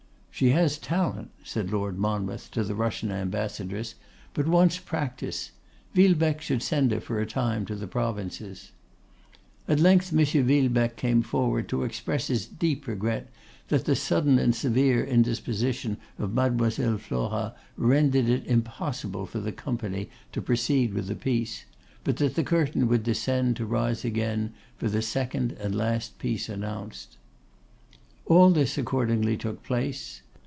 'She has talent,' said Lord Monmouth to the Russian Ambassadress, 'but wants practice. Villebecque should send her for a time to the provinces.' At length M. Villebecque came forward to express his deep regret that the sudden and severe indisposition of Mlle. Flora rendered it impossible for the company to proceed with the piece; but that the curtain would descend to rise again for the second and last piece announced. All this accordingly took place.